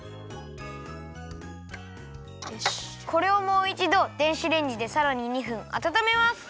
これをもういちど電子レンジでさらに２分あたためます。